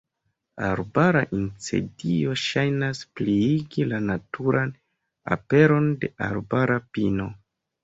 Arbara incendio ŝajnas pliigi la naturan aperon de arbara pino.